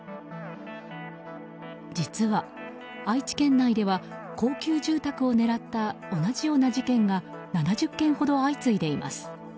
実は愛知県内では高級住宅を狙った同じような事件が７０件ほど相次いでいます。